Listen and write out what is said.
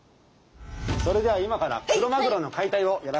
それでは今からクロマグロの解体をやらせていただきます。